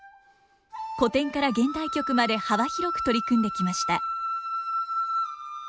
古典から現代曲まで幅広く取り組んできました。